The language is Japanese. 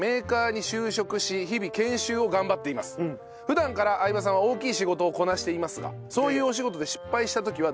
普段から相葉さんは大きい仕事をこなしていますがそういうえっ失敗した時ですか？